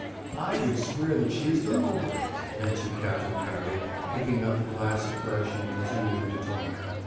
'I would swear that she is the Mowbray,' answered Captain Parry, picking up the glass afresh, and continuing to talk.